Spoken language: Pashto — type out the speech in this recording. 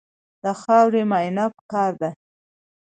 د خاورې معاینه پکار ده.